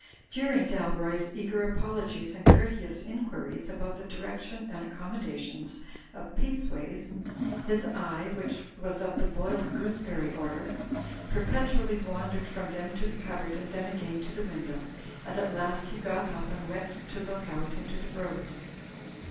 Dur ing Dalroy's eager apologies and courteous inquiries about the direction and accommodations trf^'Besace 228 THE FLYING INN ways, his eye (which was of the boiled gooseberry or der) perpetually wandered from them to the cupboard and then again to the window, and at last he got up and went to look out into the road.